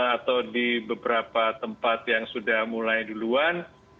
atau di beberapa tempat yang sudah mulai duluan